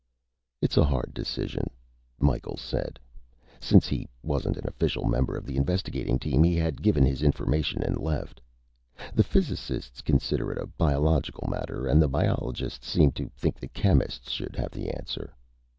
"It's a hard decision," Micheals said. Since he wasn't an official member of the investigating team, he had given his information and left. "The physicists consider it a biological matter, and the biologists seem to think the chemists should have the answer.